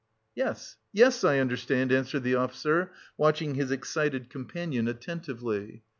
"Yes, yes, I understand," answered the officer, watching his excited companion attentively.